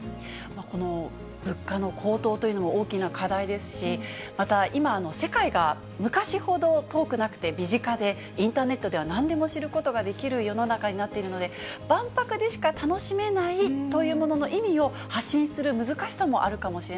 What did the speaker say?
この物価の高騰というのも大きな課題ですし、また今、世界が昔ほど遠くなくて身近で、インターネットではなんでも知ることができる世の中になっているので、万博でしか楽しめないというものの意味を発信する難しさもあるか